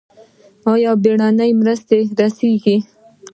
آیا بیړنۍ مرستې رسیږي؟